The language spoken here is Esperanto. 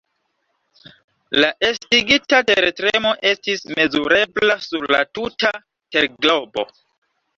La estigita tertremo estis mezurebla sur la tuta terglobo.